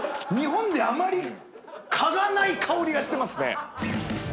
日本であまり嗅がない香りがしてますね。